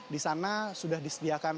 disana sudah disediakan